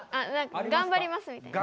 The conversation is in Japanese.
「頑張ります」みたいな。